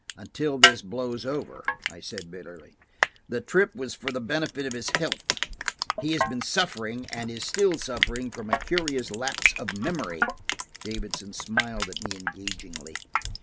"Until all this blows over," I said bitterly. "The trip was for the benefit of his health. He has been suffering–and is still suffering, from a curious lapse of memory." Davidson smiled at me engagingly.